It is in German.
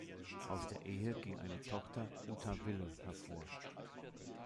Aus der Ehe ging eine Tochter, Uta Wille, hervor.